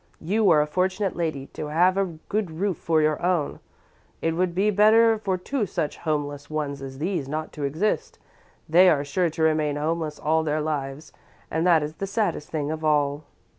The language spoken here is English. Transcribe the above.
You are a fortunate lady to have a good roof for your own. It would be better for two such homeless ones as these not to exist! They are sure to remain homeless all their lives, and that is the saddest thing of all."